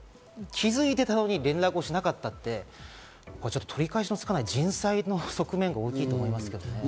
気づいてたのに連絡をしなかったって、取り返しのつかない人災の側面が大きいと思います。